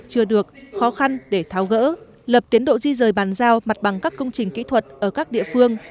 chưa được khó khăn để tháo gỡ lập tiến độ di rời bàn giao mặt bằng các công trình kỹ thuật ở các địa phương